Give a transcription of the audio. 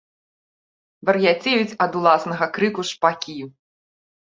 Вар'яцеюць ад уласнага крыку шпакі.